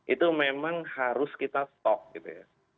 itu memang harus kita stock gitu ya